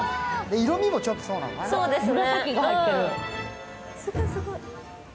色味もちょっとそうなんだね。